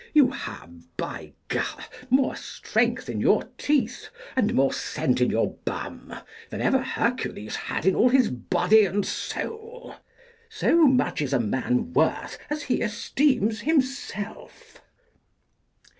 You have, by G , more strength in your teeth, and more scent in your bum, than ever Hercules had in all his body and soul. So much is a man worth as he esteems himself.